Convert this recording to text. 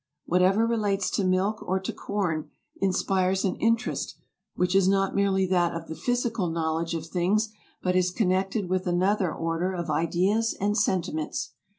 Whatever relates to milk or to corn inspires an interest which is not merely that of the 172 AMERICA 173 physical knowledge of things, but is connected with another order of ideas and sentiments.